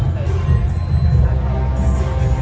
สโลแมคริปราบาล